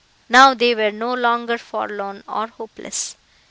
Now they were no longer forlorn or hopeless.